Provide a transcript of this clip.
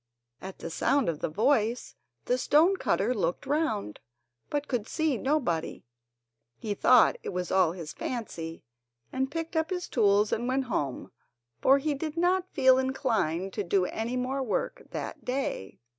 At the sound of the voice the stone cutter looked round, but could see nobody. He thought it was all his fancy, and picked up his tools and went home, for he did not feel inclined to do any more work that day.